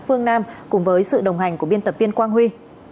phương nam cùng với sự đồng hành của biên tập viên quang huy